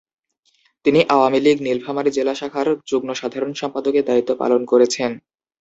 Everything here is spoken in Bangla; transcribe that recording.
তিনি আওয়ামী লীগ নীলফামারী জেলার শাখার যুগ্ম সাধারণ সম্পাদকের দায়িত্ব পালন করেছেন।